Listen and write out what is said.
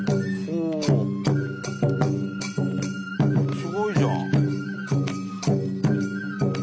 すごいじゃん。